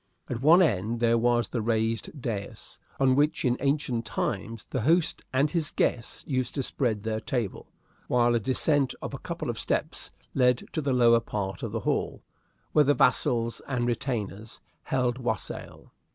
At one end there was the raised dais, on which in ancient times the host and his guests used to spread their table, while a descent of a couple of steps led to the lower part of the hall, where the vassals and retainers held wassail.